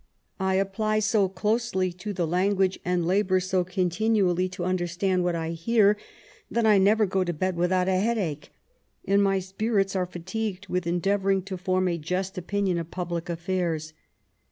I apply so closely to the language, and labour so continually to understand what I hear, that I never go to bed without a headache, and my spirits are fatigued with endeavouring to form a just opinion of public affairs.